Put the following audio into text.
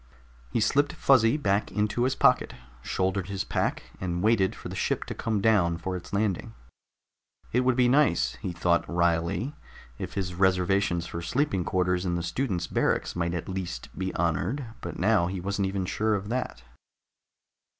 He slipped Fuzzy back into his pocket, shouldered his pack, and waited for the ship to come down for its landing. It would be nice, he thought wryly, if his reservations for sleeping quarters in the students' barracks might at least be honored, but now he wasn't even sure of that.